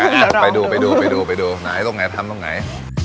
อ่ะไปดูไปดูไปดูไปดูไหนตรงไหนทำตรงไหน